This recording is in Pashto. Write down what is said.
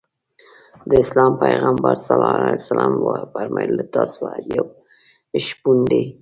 د اسلام پیغمبر ص وفرمایل له تاسو هر یو شپون دی.